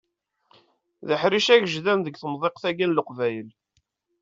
D aḥric agejdan deg temḍiqt-agi n Leqbayel.